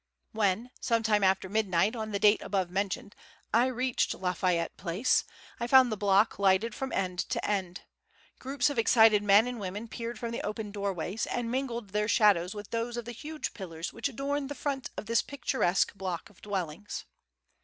When, some time after midnight on the date above mentioned, I reached Lafayette Place, I found the block lighted from end to end. Groups of excited men and women peered from the open doorways, and mingled their shadows with those of the huge pillars which adorn the front of this picturesque block of dwellings.